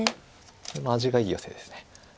これも味がいいヨセです。